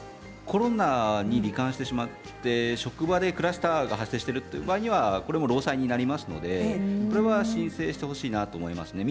コロナに、り患してしまって職場でクラスターが発生している場合は、これも労災になりますので申請してほしいと思います。